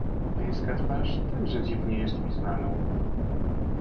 "Pańska twarz także dziwnie jest mi znaną."